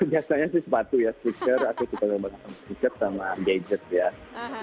biasanya sih sepatu ya switcher atau kita pake sepatu sepatu sama gadget ya